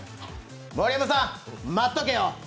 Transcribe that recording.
盛山さん、待っとけよ！